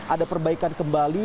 ada perbaikan kembali